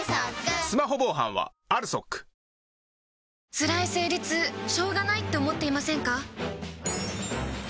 つらい生理痛しょうがないって思っていませんか？